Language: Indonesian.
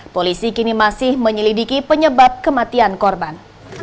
polisi kini masih menyelidiki penyebab kematian korban